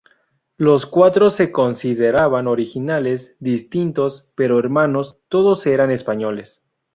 Los cuatro se consideraban originales, distintos, pero hermanos: todos eran españoles.